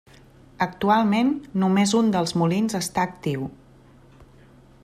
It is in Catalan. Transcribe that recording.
Actualment només un dels molins està actiu.